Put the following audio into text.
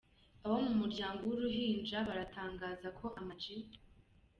Abo mu muryango wuru ruhinja baratangaza ko Ama G.